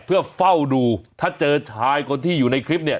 เพื่อเฝ้าดูถ้าเจอชายคนที่อยู่ในคลิปเนี่ย